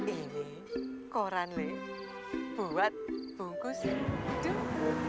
ini koran le buat bungkus hidung